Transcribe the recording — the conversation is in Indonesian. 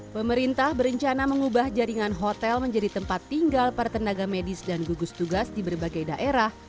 pemerintah berencana mengubah jaringan hotel menjadi tempat tinggal para tenaga medis dan gugus tugas di berbagai daerah